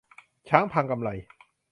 'ช้างพังกำไล'